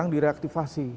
ini sudah direaktivasi